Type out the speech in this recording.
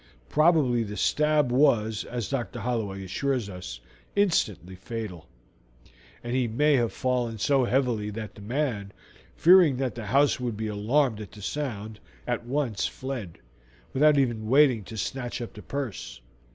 Probably the stab was, as Dr. Holloway assures us, instantly fatal, and he may have fallen so heavily that the man, fearing that the house would be alarmed at the sound, at once fled, without even waiting to snatch up the purse.